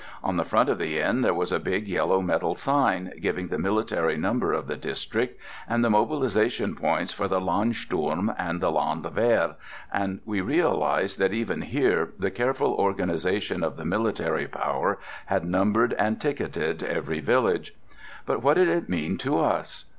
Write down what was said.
On the front of the inn there was a big yellow metal sign, giving the military number of the district, and the mobilization points for the Landsturm and the Landwehr, and we realized that even here the careful organization of the military power had numbered and ticketed every village. But what did it mean to us?